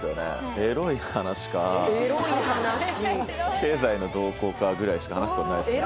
エロい話かエロい話経済の動向かぐらいしか話すことないです